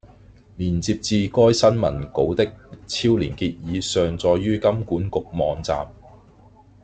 連接至該新聞稿的超連結已上載於金管局網站